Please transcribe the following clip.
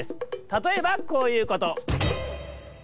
たとえばこういうこと。